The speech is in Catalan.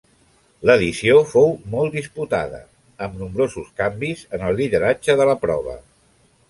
L'edició fou molt disputada, amb nombrosos canvis en el lideratge de la prova.